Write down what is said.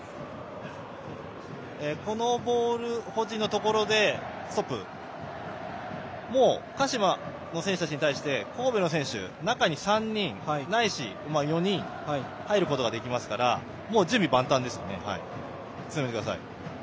このボール保持のところでもう鹿島の選手たちに対して神戸の選手、中に３人ないし４人入ることができますからもう準備万端ですね。